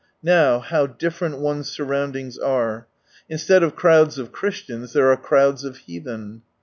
Now, how different one's surroundings ar& Instead of crowds of Christians, there are crowds of heathen.